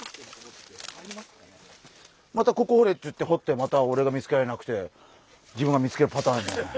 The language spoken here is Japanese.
またここ掘れって言って掘ってまたオレが見つけられなくて自分が見つけるパターンじゃないの？